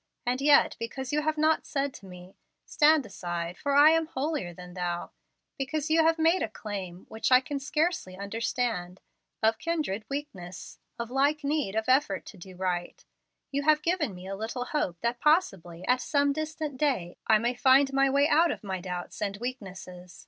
And yet, because you have not said to me, 'Stand aside, for I am holier than thou'; because you have made a claim, which I can scarcely understand, of kindred weakness, of like need of effort to do right, you have given me a little hope that possibly at some distant day I may find a way out of my doubts and weaknesses.